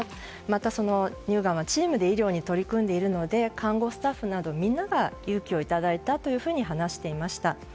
また、乳がんはチームで医療に取り組んでいるので看護スタッフなどみんなが勇気をいただいたというふうに話していました。